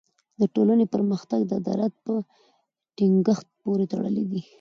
د ټولني پرمختګ د عدالت په ټینګښت پوری تړلی دی.